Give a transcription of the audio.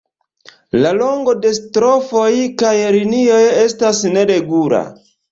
La longo de "strofoj" kaj linioj estas neregula.